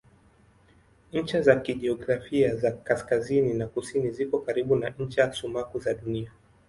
Ncha za kijiografia za kaskazini na kusini ziko karibu na ncha sumaku za Dunia.